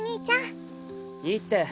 いいって。